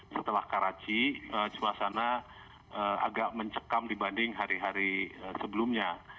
setelah karaci suasana agak mencekam dibanding hari hari sebelumnya